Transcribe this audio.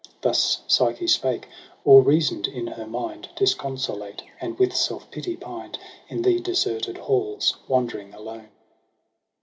Thus Psyche spake, or reasoned in her mind. Disconsolate j and with self pity pinedj In the deserted halls wandering alone.